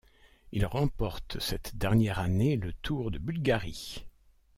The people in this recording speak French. Il remporte cette dernière année le Tour de Bulgarie.